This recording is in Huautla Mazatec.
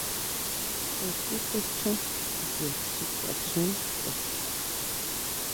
Je tisʼechan ʼyee xi kuachen ntʼe.